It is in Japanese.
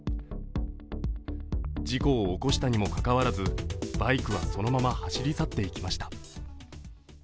事故を起こしたのにもかかわらずバイクはそのまま走り去っていきました。